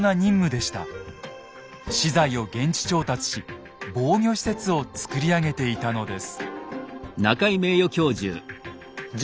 資材を現地調達し防御施設を造り上げていたのです。